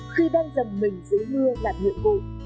khi đang dần mình dưới mưa làm nhiệm vụ